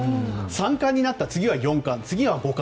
三冠になった、次は四冠、五冠。